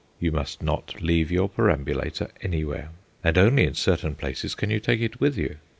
You must not leave your perambulator anywhere, and only in certain places can you take it with you.